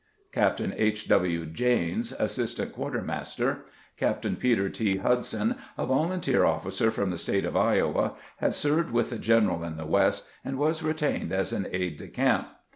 Captain H. W. Janes, assistant quartermaster. Captain Peter T. Hudson, a volunteer officer from the State of Iowa, had served with the general in the West, and was retained as an aide de camp.